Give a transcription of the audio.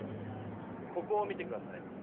ここを見て下さい。